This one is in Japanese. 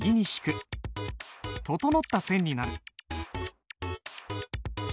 整った線になる。